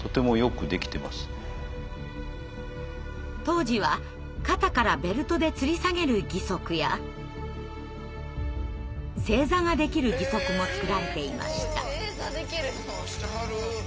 当時は肩からベルトでつり下げる義足や正座ができる義足も作られていました。